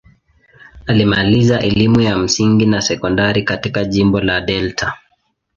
Alimaliza elimu ya msingi na sekondari katika jimbo la Delta.